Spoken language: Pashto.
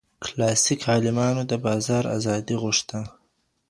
کلاسیک عالمانو د بازار ازادي غوښته.